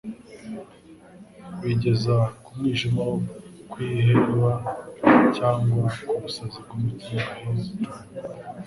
bigeza ku mwijima wo kwiheba cyangwa ku busazi bw'umutima wahindanye.